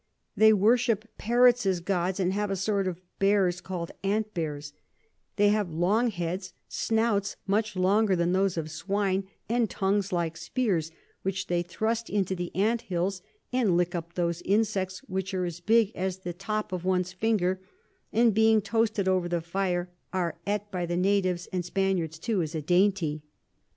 They worship Parrots as Gods, and have a sort of Bears call'd Ant Bears: They have long Heads, Snouts much longer than those of Swine, and Tongues like Spears, which they thrust into the Ant Hills, and lick up those Insects, which are as big as the top of one's finger, and being toasted over the fire, are eat by the Natives and Spaniards too as a Dainty.